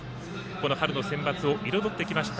この春のセンバツを彩ってきました